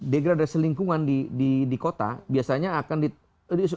degradasi lingkungan di kota biasanya akan di